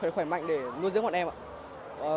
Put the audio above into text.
khỏe mạnh để nuôi dưỡng bạn em ạ